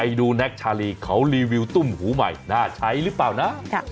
ดูแน็กชาลีเขารีวิวตุ้มหูใหม่น่าใช้หรือเปล่านะ